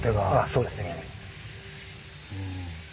そうですね。